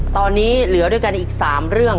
ตอนนี้เหลือด้วยกันอีก๓เรื่อง